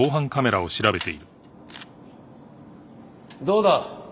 どうだ？